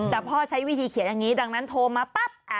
แต่พ่อใช้วิธีเขียนอย่างนี้ดังนั้นโทรมาปั๊บ